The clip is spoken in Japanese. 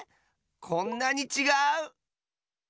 こんなにちがう！